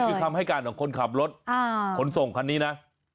คือคำให้การของคนขับรถขนส่งคันนี้นะ